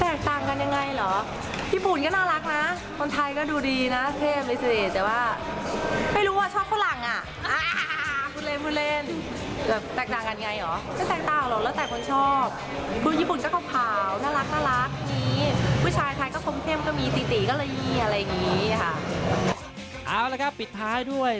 เอาละครับปิดท้ายด้วย